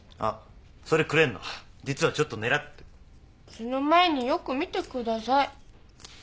その前によく見てください。